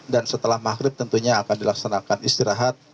dan setelah makrib tentunya akan dilaksanakan istirahat